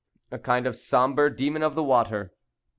A kind of sombre demon of the water.